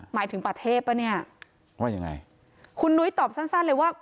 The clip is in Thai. หมายถึงประเทศป่ะเนี่ยว่ายังไงคุณนุ้ยตอบสั้นสั้นเลยว่า